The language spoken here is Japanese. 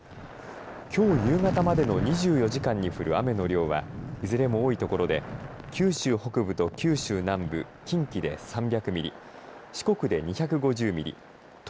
きょう夕方までの２４時間に降る雨の量はいずれも多い所で九州北部と九州南部近畿で３００ミリ四国で２５０ミリ